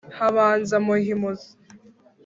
Habanza Muhimuzi